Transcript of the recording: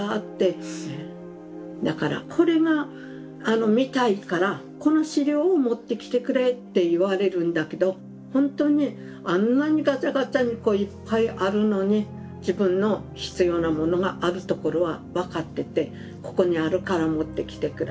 だから「これが見たいからこの資料を持ってきてくれ」って言われるんだけどほんとにあんなにガチャガチャにこういっぱいあるのに自分の必要なものがあるところは分かってて「ここにあるから持ってきてくれ」